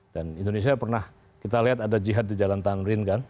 dan indonesia pernah kita lihat ada jihad di jalan tanrin kan